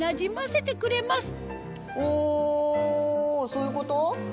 そういうこと？